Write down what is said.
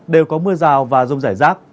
đều có mưa rào và rông giải rác